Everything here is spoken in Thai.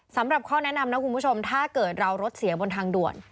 สำหรับข้อแนะนำนะคุณผู้ชมถ้าเกิดเรารถเสียบนทางด่วน